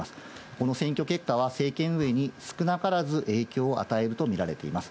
この選挙結果は、政権運営に少なからず影響を与えると見られています。